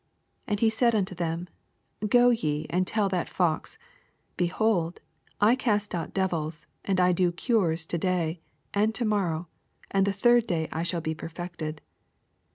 32 And he said unto them, Go ye, and tell that fox, Beh old, I cast out devils, and I do cures to day and to* morrow, and the third day I shall be perfected.